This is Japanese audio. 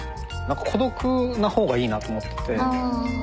何か孤独なほうがいいなと思ってて。